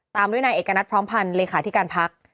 ตามด้วยนายเอกณัฐพร้อมพันธ์เลขาธิการพัก